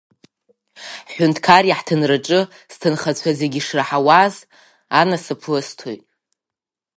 Ҳҳәынҭқар иаҳҭынраҿы сҭынхацәа зегь ишраҳауаз анасыԥ лысҭоит…